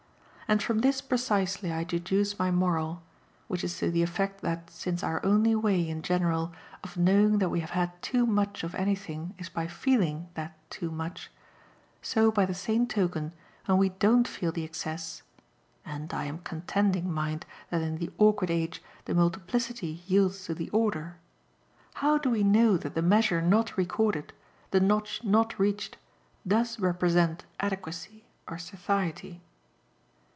And from this precisely I deduce my moral; which is to the effect that, since our only way, in general, of knowing that we have had too much of anything is by FEELING that too much: so, by the same token, when we don't feel the excess (and I am contending, mind, that in "The Awkward Age" the multiplicity yields to the order) how do we know that the measure not recorded, the notch not reached, does represent adequacy or satiety?